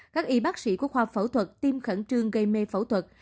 các y bác sĩ của khoa phẫu thuật tiêm khẩn trương gây mê phẫu thuật